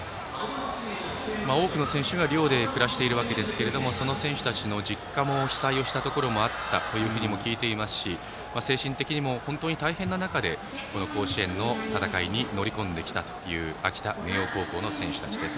多くの選手が寮で暮らしていますがその選手たちの実家で被災したところもあったとも聞いていますし精神的にも本当に大変な中で甲子園の戦いに乗り込んできた秋田・明桜高校の選手たちです。